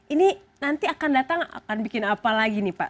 ini nanti akan datang akan bikin apa lagi nih pak